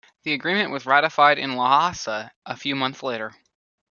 The agreement was ratified in Lhasa a few months later.